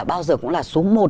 bao giờ cũng là số một